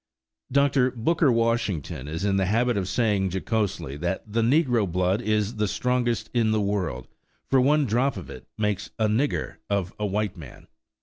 Dr. Booker Washington is in the habit of saying jocosely that the negro blood is the strongest in the world, for one drop of it makes a "nigger" of a white man.